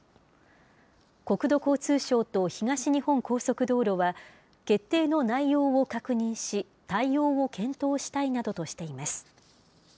国土交通省と東日本高速道路は決定の内容を確認し、対応を検討したいなどとしています。